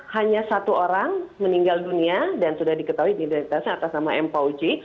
hanya satu orang meninggal dunia dan sudah diketahui identitasnya atas nama m fauji